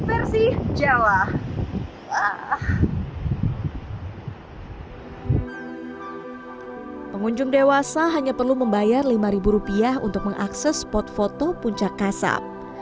versi jawa pengunjung dewasa hanya perlu membayar lima rupiah untuk mengakses spot foto puncak kasab